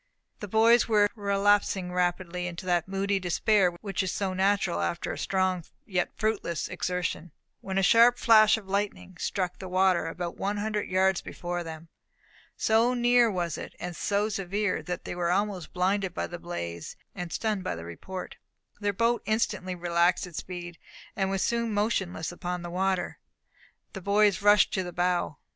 The boys were relapsing rapidly into that moody despair which is so natural after strong yet fruitless exertion, when a sharp flash of lightning struck in the water about one hundred yards before them. So near was it, and so severe, that they were almost blinded by the blaze, and stunned by the report. Their boat instantly relaxed its speed, and was soon motionless upon the water. The boys rushed to the bow.